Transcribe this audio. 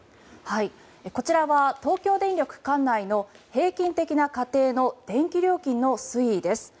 こちらは東京電力管内の、平均的な家庭の電気料金の推移です。